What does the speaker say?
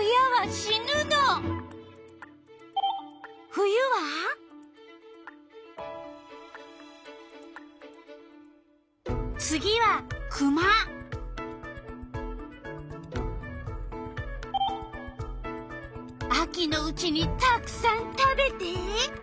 秋のうちにたくさん食べて。